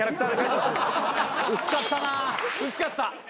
薄かったな。